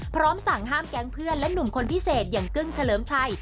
พร้อมสั่งห้ามแก๊งเพื่อนและหนุ่มคนพิเศษอย่างกึ้งเฉลิมชัย